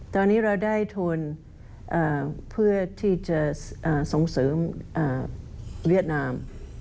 ตอนนี้เราได้ทุนเพื่อที่จะส่งเสริมเวียดนาม